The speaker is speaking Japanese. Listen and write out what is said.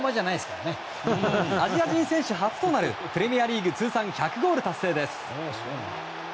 アジア人選手初となるプレミアリーグ通算１００ゴール達成です。